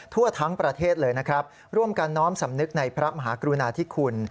ทั่วทั้งประเทศเลยนะครับร่วมกันน้อมสำนึกในพระมหากรุณาธิคุณ